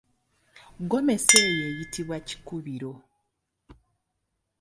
Ggomesi eyo eyitibwa kikubiro.